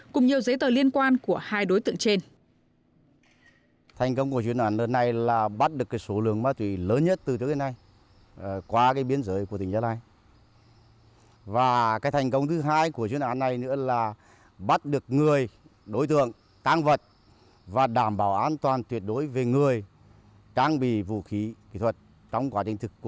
cùng nhiều giấy tờ liên quan của hai đối tượng trên